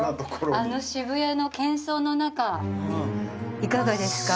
あの渋谷の喧騒の中いかがですか？